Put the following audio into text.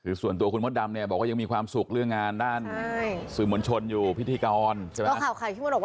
คือส่วนตัวคุณมดดำเนี่ยบอกว่ายังมีความสุขเรื่องงานด้านสื่อมวลชนอยู่พิธีกรใช่ไหม